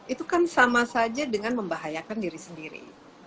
itu kan sama saja dengan membahayakan diri sendiri